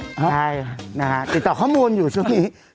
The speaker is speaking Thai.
ใช่นะคะติดต่อข้อมูลอยู่ช่วงนี้พี่หนุ่ม